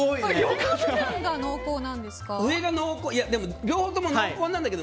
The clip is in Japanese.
どこが濃厚なんですか？